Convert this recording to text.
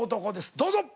どうぞ！